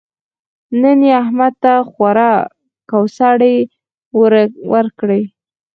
نن يې احمد ته خورا ګوسړې ورکړې.